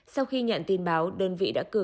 sau khi nhận tin báo đơn vị đã cửa